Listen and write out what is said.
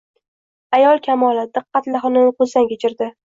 Ayol kamoli diqqat-la xonani ko`zdan kechirdi